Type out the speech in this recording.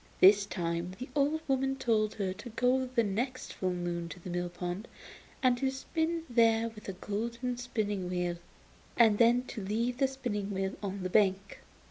This time the old woman told her to go the next full moon to the mill pond, and to spin there with a golden spinning wheel, and then to leave the spinning wheel on the bank.